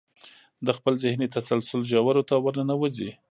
د خپل ذهني تسلسل ژورو ته ورننوځئ.